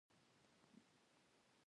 دوی په آیونونو ټوټه کیږي.